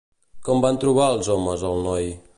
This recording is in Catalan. Com van trobar els homes al noi?